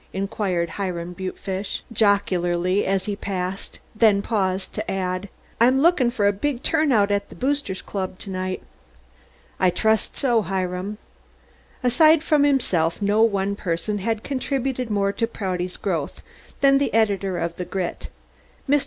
inquired Hiram Butefish jocularly as he passed; then paused to add, "I'm lookin' for a big turn out at the Boosters Club to night." "I trust so, Hiram." Aside from himself, no one person had contributed more to Prouty's growth than the editor of the Grit. Mr.